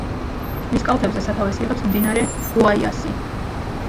მის კალთებზე სათავეს იღებს მდინარე გუაიასი.